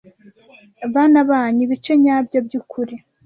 bana banyu ibice nyabyo byukuri